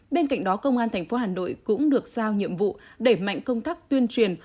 bên cạnh đó công an tp hà nội cũng được giao nhiệm vụ đẩy mạnh công tác tuyên truyền